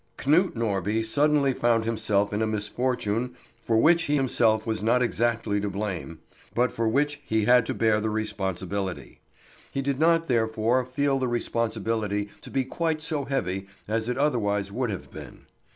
Knut Norby suddenly found himself in a misfortune for which he himself was not exactly to blame, but for which he had to bear the responsibility. He did not therefore feel the responsibility to be quite so heavy as it otherwise would have been.